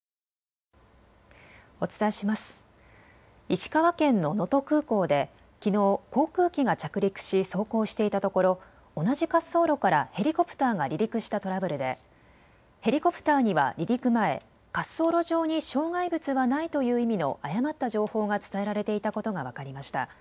石川県の能登空港できのう航空機が着陸し走行していたところ同じ滑走路からヘリコプターが離陸したトラブルでヘリコプターには離陸前、滑走路上に障害物はないという意味の誤った情報が伝えられていたことが分かりました。